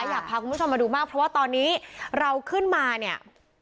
อยากพาคุณผู้ชมมาดูมากเพราะว่าตอนนี้เราขึ้นมาเนี่ย